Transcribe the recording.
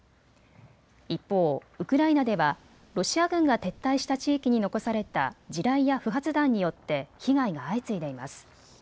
一方、ウクライナではロシア軍が撤退した地域に残された地雷や不発弾によって被害が相次いでいます。